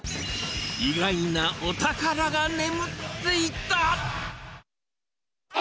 意外なお宝が眠っていた。